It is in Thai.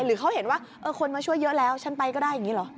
หรือเขาเห็นว่าคนมาช่วยเยอะแล้วฉันไปก็ได้อย่างนี้เหรอ